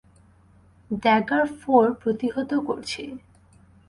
Dagger ফোর প্রতিহত করছি।